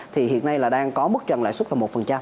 thì hiện nay là đang có mức trần lãi suất là một